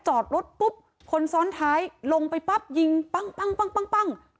จอดรถปุ๊บคนซ้อนท้ายลงไปปั๊บยิงปั้ง